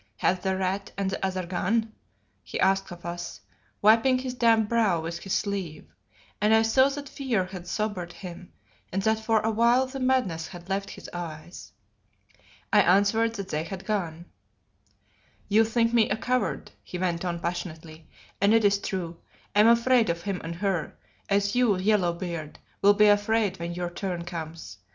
"Have that Rat and the other gone?" he asked of us, wiping his damp brow with his sleeve; and I saw that fear had sobered him and that for awhile the madness had left his eyes. I answered that they had gone. "You think me a coward," he went on passionately, "and it is true, I am afraid of him and her as you, Yellow beard, will be afraid when your turn comes.